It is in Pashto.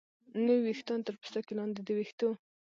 نوي ویښتان تر پوستکي لاندې د ویښتو